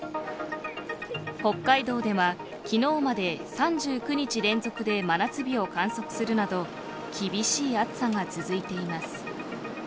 北海道では昨日まで３９日連続で真夏日を観測するなど厳しい暑さが続いています。